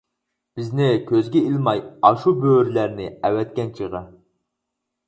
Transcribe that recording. بىزنى كۆزگە ئىلماي ئاشۇ بۆرىلەرنى ئەۋەتكەن چېغى.